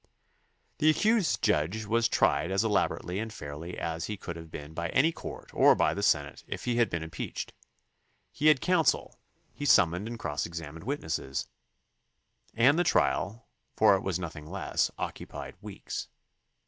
The accused judge was tried as elaborately and fairly as he could have been by any court or by the Senate if he had been impeached. He had counsel, he sum moned and cross examined witnesses, and the trial, for it was nothing less, occupied weeks.